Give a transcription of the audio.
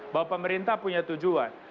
bahwa pemerintah punya tujuan